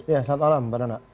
ya selamat malam mbak nana